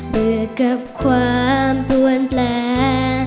เมื่อกับความปวนแปล